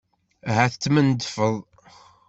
Ahat temmendfeḍ?